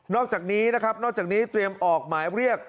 อกจากนี้นะครับนอกจากนี้เตรียมออกหมายเรียก